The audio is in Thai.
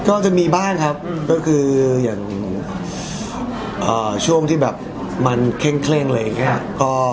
ก็จะมีบ้างครับก็คืออย่างช่วงที่แบบมันเคร่งเคร่งเลยค่ะ